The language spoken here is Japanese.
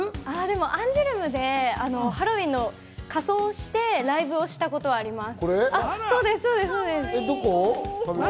アンジュルムでハロウィーンの仮装をしてライブをしたことがあります。